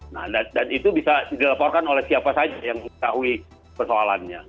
nah dan itu bisa dilaporkan oleh siapa saja yang mengetahui persoalannya